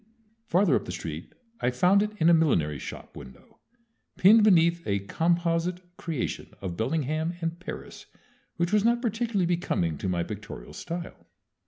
Farther up the street I found it in a millinery shop window, pinned beneath a composite creation of Bellingham and Paris which was not particularly becoming to my pictorial style.